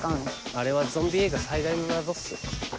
あれはゾンビ映画最大の謎っす。